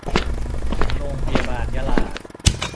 โรงพยาบาลยะลา